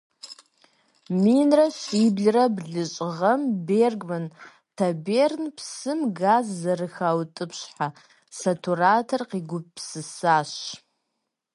Минрэ щиблрэ блыщI гъэм Бергман Тоберн псым газ зэрыхаутIыпщхьэ сатуратор къигупсысащ.